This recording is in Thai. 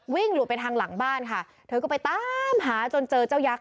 หลุดไปทางหลังบ้านค่ะเธอก็ไปตามหาจนเจอเจ้ายักษ